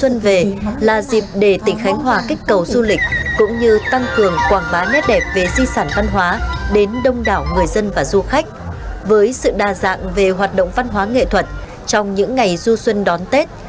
ngoài các sự kiện do ngành văn hóa nghệ thuật trong những ngày du xuân đón tết